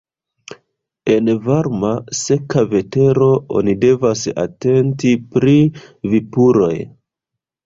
En varma, seka vetero oni devas atenti pri vipuroj.